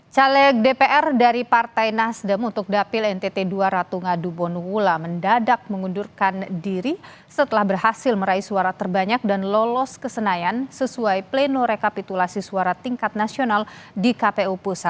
caleg dpr dari partai nasdem untuk dapil ntt dua ratu ngadu bonula mendadak mengundurkan diri setelah berhasil meraih suara terbanyak dan lolos ke senayan sesuai pleno rekapitulasi suara tingkat nasional di kpu pusat